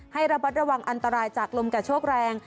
ระบัดระวังอันตรายจากลมกระโชคแรง